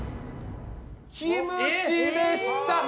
キムチでした！